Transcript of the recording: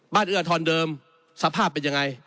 เอื้อทรเดิมสภาพเป็นยังไง